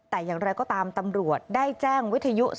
แต่อย่างไรก็ตามตำรวจได้แจ้งวิทยุ